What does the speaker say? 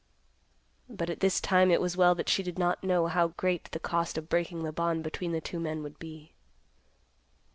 But at this time it was well that she did not know how great the cost of breaking the bond between the two men would be.